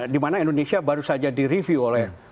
dimana indonesia baru saja direview oleh